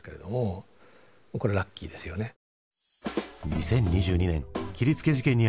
２０２２年切りつけ事件に遭い